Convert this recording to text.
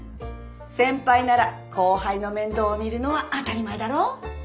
先輩なら後輩の面倒を見るのは当たり前だろ。